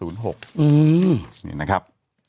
นี่นะครับ